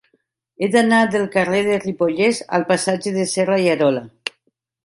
He d'anar del carrer del Ripollès al passatge de Serra i Arola.